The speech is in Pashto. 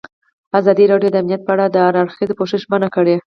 ازادي راډیو د امنیت په اړه د هر اړخیز پوښښ ژمنه کړې.